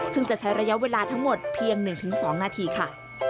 ซึ่งจะใช้ระยะเวลาทั้งหมดเพียง๑๒นาทีค่ะ